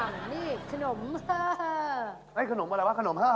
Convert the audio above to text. มีแฟนแล้ว